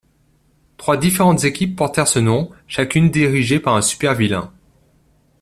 Trois différentes équipes portèrent ce nom, chacune dirigée par un super-vilain.